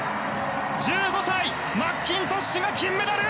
１５歳、マッキントッシュが金メダル！